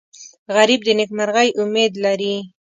غریب د نیکمرغۍ امید لري